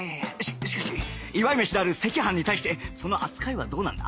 ししかし祝い飯である赤飯に対してその扱いはどうなんだ？